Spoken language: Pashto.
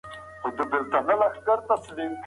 که ته وغواړې، نو د ټولنپوهنې په اړه پلټنه وکړه.